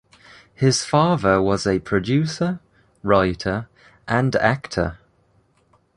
His father was a producer, writer, and actor.